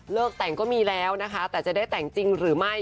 แต่งก็มีแล้วนะคะแต่จะได้แต่งจริงหรือไม่